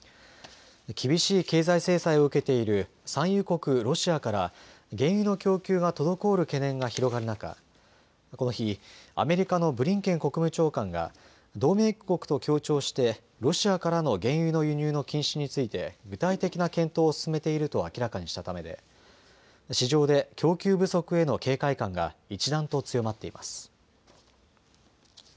厳しい経済制裁を受けている産油国ロシアから原油の供給が滞る懸念が広がる中、この日、アメリカのブリンケン国務長官が同盟国と強調してロシアからの原油の輸入の禁止について具体的な検討を進めていると明らかにしたためで市場で供給不足への警戒感が一段と強まっています。